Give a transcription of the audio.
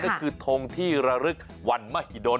ก็คือทงที่ระลึกวันมหิดล